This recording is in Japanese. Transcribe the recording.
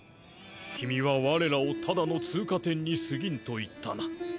君は我らをただの通過点に過ぎんと言ったな？